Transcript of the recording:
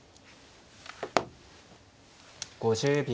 ５０秒。